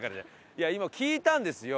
いや今聞いたんですよ。